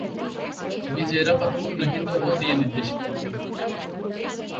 বিজয়ীরা প্রথমে উল্লেখিত ও দিয়ে নির্দেশিত।